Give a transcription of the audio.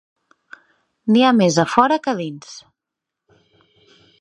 N'hi ha més a fora que a dins.